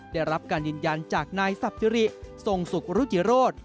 ได้รับการยืนยันจากนายสับสิริทรงสุขรุจิโรธ